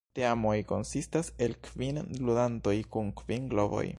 Teamoj konsistas el kvin ludantoj kun kvin globoj.